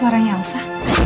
bagaimana apapun ya